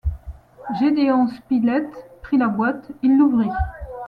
Gédéon Spilett prit la boîte, il l’ouvrit.